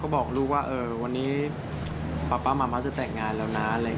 บอกลูกว่าวันนี้ป๊าป๊ามามักจะแต่งงานแล้วนะ